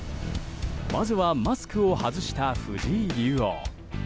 まずはマスクを外した藤井竜王。